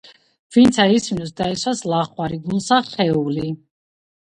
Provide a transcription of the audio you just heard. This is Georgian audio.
ვინცა ისმინოს, დაესვას ლახვარი გულსა ხეული.